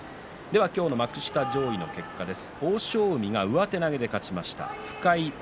今日の幕下上位からの結果です。